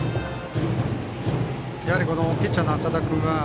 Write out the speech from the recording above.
やはりピッチャーの淺田君